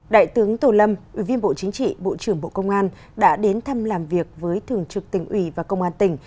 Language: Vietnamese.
đại tướng tô lâm ủy viên bộ chính trị bộ trưởng bộ công an đã đến thăm làm việc với thường trực tỉnh ủy và công an tỉnh